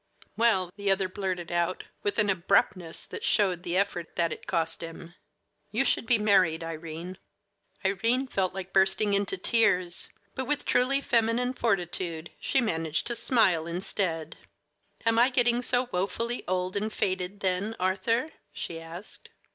"Well," the other blurted out with an abruptness that showed the effort that it cost him, "you should be married, Irene." Irene felt like bursting into tears, but with truly feminine fortitude she managed to smile instead. "Am I getting so woefully old and faded, then, Arthur?" she asked.